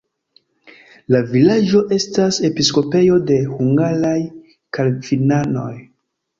La vilaĝo estas episkopejo de hungaraj kalvinanoj.